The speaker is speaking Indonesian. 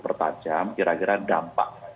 pertajam kira kira dampak